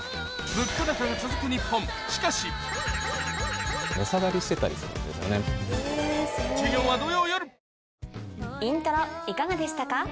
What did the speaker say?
物価高が続く日本しかし『イントロ』いかがでしたか？